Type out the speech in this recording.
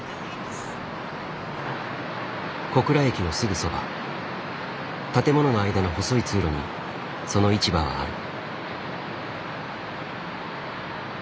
小倉駅のすぐそば建物の間の細い通路にその市場はある。